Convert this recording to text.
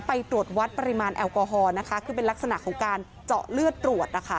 ไปตรวจวัดปริมาณแอลกอฮอล์นะคะคือเป็นลักษณะของการเจาะเลือดตรวจนะคะ